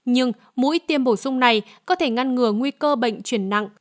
nhưng mũi tiêm bổ sung này có thể ngăn ngừa nguy cơ bệnh chuyển nặng